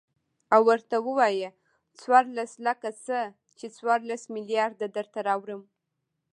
او ورته ووايه څورلس لکه څه ،چې څورلس ملېارده درته راوړم.